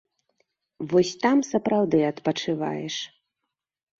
Вось там сапраўды адпачываеш.